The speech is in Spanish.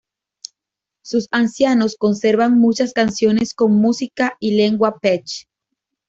Sus ancianos conservan muchas canciones con música y lengua pech.